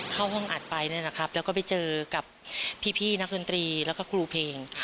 เข้าห้องอัดไปนะครับแล้วก็ไปเจอกับพี่นักดนตรีแล้วก็ครูเพลง